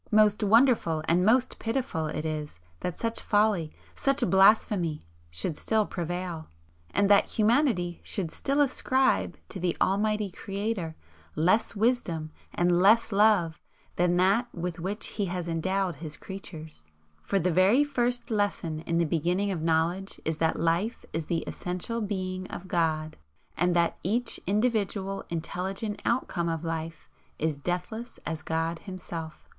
Most wonderful and most pitiful it is that such folly, such blasphemy should still prevail, and that humanity should still ascribe to the Almighty Creator less wisdom and less love than that with which He has endowed His creatures. For the very first lesson in the beginning of knowledge is that Life is the essential Being of God, and that each individual intelligent outcome of Life is deathless as God Himself.